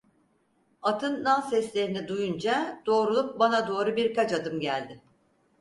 Atın nal seslerini duyunca doğrulup bana doğru birkaç adım geldi.